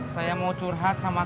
saya mau curhat sama